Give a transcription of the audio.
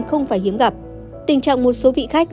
không phải hiếm gặp tình trạng một số vị khách